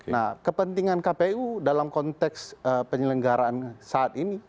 nah kepentingan kpu dalam konteks penyelenggaraan saat ini